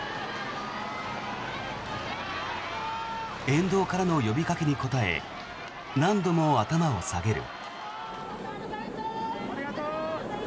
沿道からの呼びかけに応え何度も頭を下げる。